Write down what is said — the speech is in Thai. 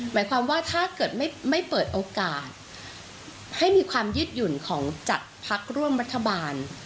หมายความว่าถ้าเกิดไม่เปิดโอกาสให้มีความยืดหยุ่นของจัดพักร่วมรัฐบาล